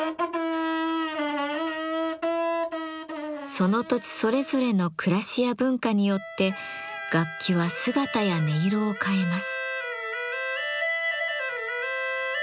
その土地それぞれの暮らしや文化によって楽器は姿や音色を変えます。